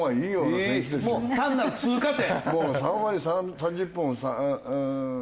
もう単なる通過点？